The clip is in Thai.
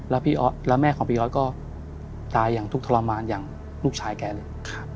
แล้วแม่ของพี่ออสก็ตายอย่างทุกข์ทรมานอย่างลูกชายแกเลย